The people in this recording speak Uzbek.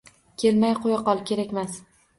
Kelmay qo‘ya qol, kerakmas.